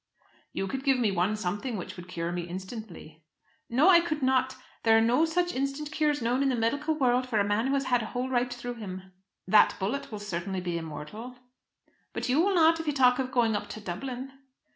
"You could give one something which would cure me instantly." "No, I could not! There are no such instant cures known in the medical world for a man who has had a hole right through him." "That bullet will certainly be immortal." "But you will not if you talk of going up to Dublin."